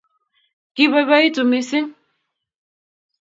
kiboiboitu mising